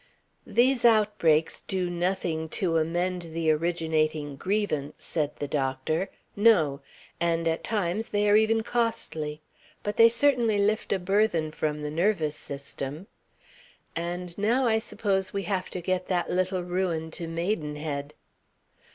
"These outbreaks do nothing to amend the originating grievance," said the doctor. "No. And at times they are even costly. But they certainly lift a burthen from the nervous system.... And now I suppose we have to get that little ruin to Maidenhead."